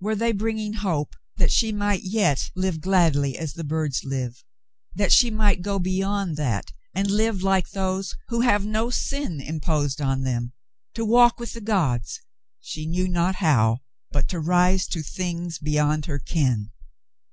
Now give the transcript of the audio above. Were they bringing hope that she might yet live gladly as the birds live ; that she might go beyond that and live like those who have no sin imposed on them, to walk with the gods, she knew not how, but to rise to things beyond her ken